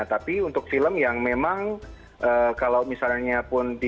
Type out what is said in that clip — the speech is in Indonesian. tapi untuk film yang memang kalau misalnya pun di